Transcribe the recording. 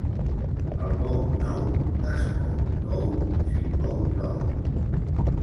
El bou nou es mou tou si plou prou.